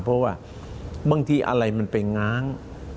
เพราะว่าบางทีอะไรมันไปง้าง